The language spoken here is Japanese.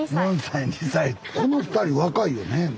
この二人若いよね？